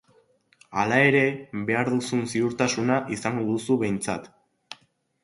Hala ere, behar duzun ziurtasuna izango duzu, behintzat.